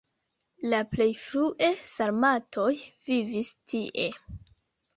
La plej frue sarmatoj vivis tie.